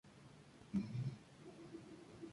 Los exteriores en tierra se filmaron en Santurce y Bilbao.